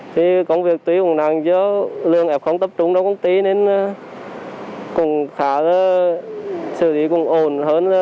thì công việc tùy cùng năng do lương f tập trung đó công ty nên cũng khá là xử lý cũng ổn hơn